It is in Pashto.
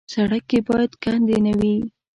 سړک کې باید کندې نه وي.